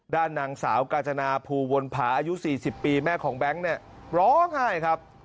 ด้านนางสาวกาจนาภูวนผาอายุ๔๐ปีแม่ของแบงค์เนี่ยร้องไห้ครับ